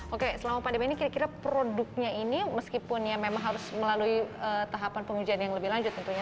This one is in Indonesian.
oke selama pandemi ini kira kira produknya ini meskipun ya memang harus melalui tahapan pengujian yang lebih lanjut tentunya